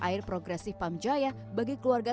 air progresif pam jaya bagi keluarga